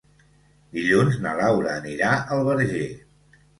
Dilluns na Laura anirà al Verger.